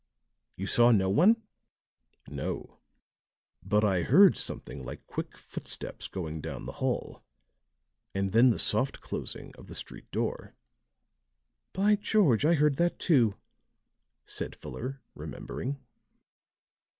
"You saw no one?" "No. But I heard something like quick footsteps going down the hall, and then the soft closing of the street door." "By George, I heard that, too," said Fuller, remembering.